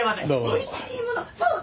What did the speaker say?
おいしいものそうだ！